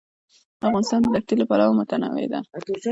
افغانستان د دښتې له پلوه متنوع دی.